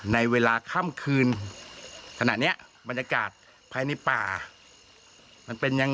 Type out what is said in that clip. ในเวลาค่ำคืนขณะเนี้ยบรรยากาศภายในป่ามันเป็นยัง